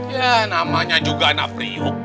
ya namanya juga anak priok